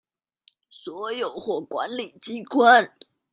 所有或管理機關